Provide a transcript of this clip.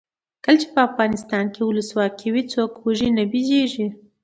کله چې افغانستان کې ولسواکي وي څوک وږی نه ویدېږي.